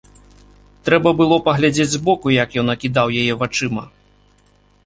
Трэба было паглядзець збоку, як ён акідаў яе вачыма!